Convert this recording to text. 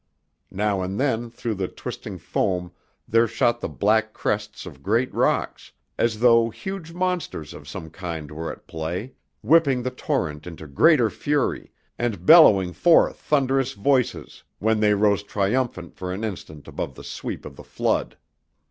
Now and then through the twisting foam there shot the black crests of great rocks, as though huge monsters of some kind were at play, whipping the torrent into greater fury, and bellowing forth thunderous voices when they rose triumphant for an instant above the sweep of the flood.